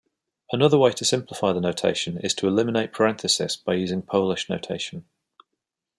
Another way to simplify the notation is to eliminate parenthesis by using Polish Notation.